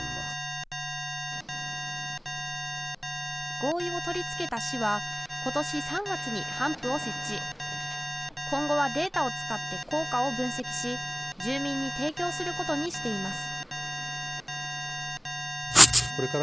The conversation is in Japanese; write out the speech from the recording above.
合意を取りつけた市はことし３月にハンプを設置、今後はデータを使って効果を分析し住民に提供することにしています。